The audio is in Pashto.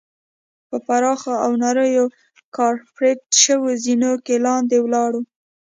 په پراخو او نریو کارپیټ شوو زینو کې لاندې ولاړو.